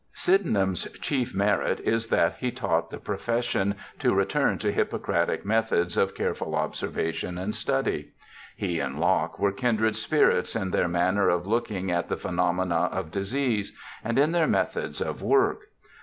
Sydenham's chief merit is that he taught the pro fession to return to Hippocratic methods of careful observation and study. He and Locke were kindred spirits in their manner of looking at the phenomena of disease, and in their methods of work.